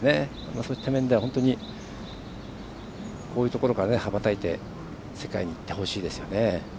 そういった面では、本当にこういうところから羽ばたいて世界に行ってほしいですよね。